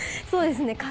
そうですね。